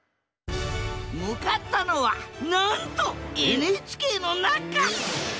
向かったのはなんとＮＨＫの中！